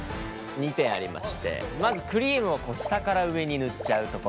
２点ありましてまずクリームを下から上に塗っちゃうところ。